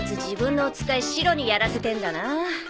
自分のお使いシロにやらせてんだな。